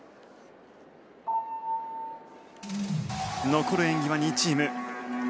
残る演技は２チーム。